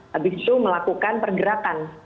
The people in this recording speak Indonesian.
habis itu melakukan pergerakan